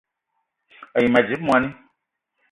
A yi ma dzip moni